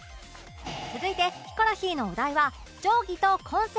続いてヒコロヒーのお題は「定規」と「コンセント」